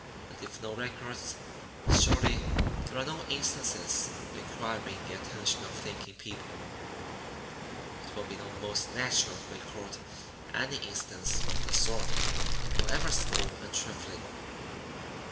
And if no records, surely there are no instances requiring the attention of thinking people. "It would be most natural to record any instance of the sort, however small and trifling.